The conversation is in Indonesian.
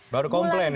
baru komplain disitu